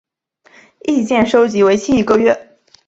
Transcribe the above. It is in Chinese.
意见收集为期一个月。